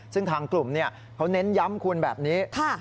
ซึ่งทางกลุ่มเขาเน้นย้ำคุณแบบนี้